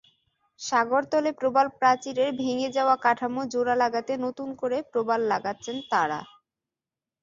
সাগরতলে প্রবালপ্রাচীরের ভেঙে যাওয়া কাঠামো জোড়া লাগাতে নতুন করে প্রবাল লাগাচ্ছেন তাঁরা।